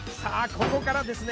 ここからですね